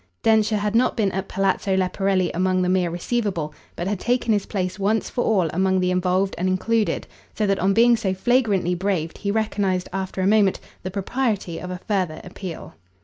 Densher had not been at Palazzo Leporelli among the mere receivable, but had taken his place once for all among the involved and included, so that on being so flagrantly braved he recognised after a moment the propriety of a further appeal.